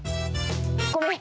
ごめん。